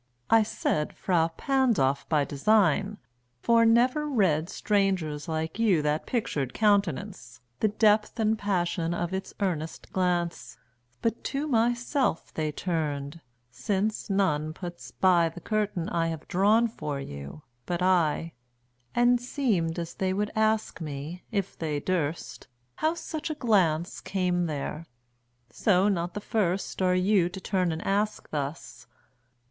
I said 5 "Frà Pandolf" by design, for never read Strangers like you that pictured countenance, The depth and passion of its earnest glance, But to myself they turned (since none puts by The curtain I have drawn for you, but I) 10 And seemed as they would ask me, if they durst, How such a glance came there; so, not the first Are you to turn and ask thus.